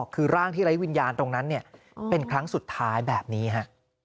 คือร่างที่ไร้วิญญาณตรงนั้นเป็นครั้งสุดท้ายแบบนี้ฮะ